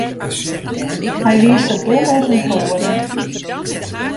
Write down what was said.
Hy wie sa dom as in kroade.